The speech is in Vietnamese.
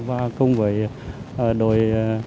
và cùng với đội